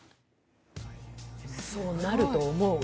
そうなると思う。